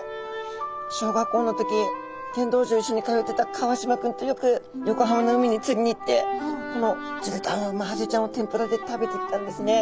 小学校の時剣道場一緒に通ってた川島君とよく横浜の海に釣りに行ってこの釣れたマハゼちゃんを天ぷらで食べてたんですね。